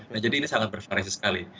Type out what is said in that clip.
nah jadi ini sangat bervariasi sekali